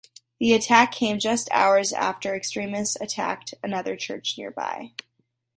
The attack came just hours after extremists attacked another church nearby.